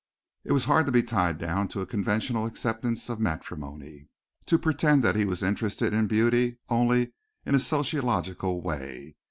It was hard to be tied down to a conventional acceptance of matrimony to pretend that he was interested in beauty only in a sociological way.